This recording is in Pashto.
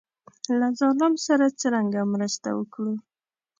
له ظالم سره څرنګه مرسته وکړو.